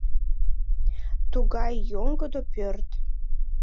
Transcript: Тугай йоҥгыдо пӧрт!